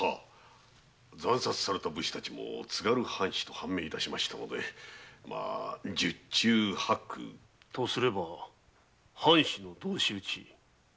斬殺された武士たちも津軽藩士と判明致しましたので十中八九は。とすれば藩士の同士討ち。